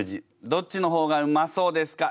どっちの方がうまそうですか？